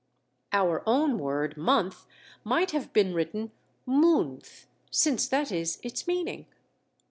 Our own word "month" might have been written "moonth," since that is its meaning.